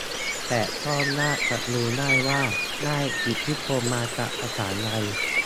แต่ก็ยากจะรู้ได้ว่าได้อิทธิพลมาจากภาษาใด